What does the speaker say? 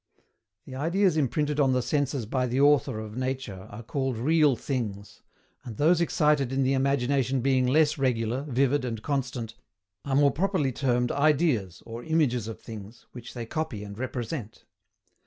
The ideas imprinted on the Senses by the Author of nature are called REAL THINGS; and those excited in the imagination being less regular, vivid, and constant, are more properly termed IDEAS, or IMAGES OF THINGS, which they copy and represent.